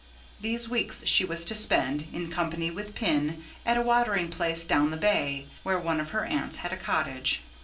These weeks she was to spend, in company with Pin, at a watering place down the Bay, where one of her aunts had a cottage.